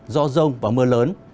do rông và mưa lớn